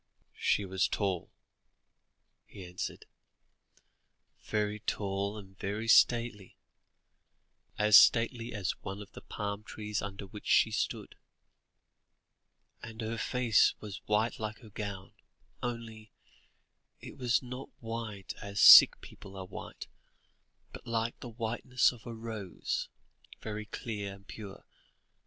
"She was tall," he answered; "very tall and very stately, as stately as one of the palm trees under which she stood; and her face was white like her gown, only, it was not white as sick people are white, but like the whiteness of a rose, very clear and pure.